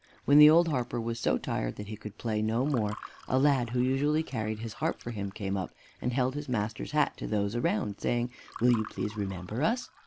When the old harper was so tired that he could play no more, a lad who usually carried his harp for him came up, and held his master's hat to those around, saying, "Will you please remember us?"